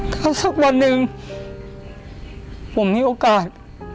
ถ้าสักวันหนึ่งผมมีโอกาส